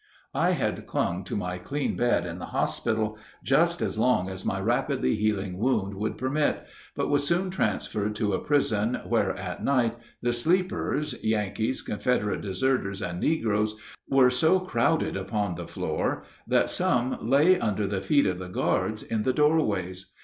I had clung to my clean bed in the hospital just as long as my rapidly healing wound would permit, but was soon transferred to a prison where at night the sleepers Yankees, Confederate deserters, and negroes were so crowded upon the floor that some lay under the feet of the guards in the doorways.